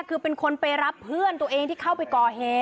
คือเป็นคนไปรับเพื่อนตัวเองที่เข้าไปก่อเหตุ